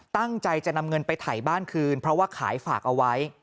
ตั้งใจจะนำเงินไปถ่ายบ้านคืนเพราะว่าขายฝากเอาไว้